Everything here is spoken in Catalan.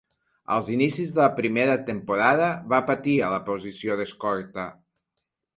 Als inicis de la primera temporada va patir a la posició d'escorta.